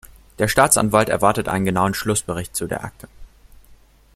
Der Staatsanwalt erwartet einen genauen Schlussbericht zu der Akte.